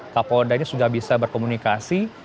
kapolda ini sudah bisa berkomunikasi